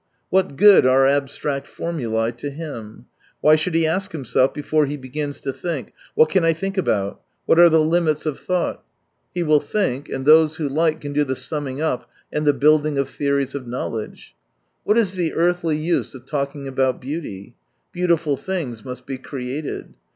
What good are abstract formulae to him ? Why should he ask himself, before he begins to think :" What can I think about, what are the limifs of 184 thought ?" He will think, and those who like can do the summing up and the build ing of theories of knowledge. What is the earthly use of talking about beauty ? Beautiful things must be created.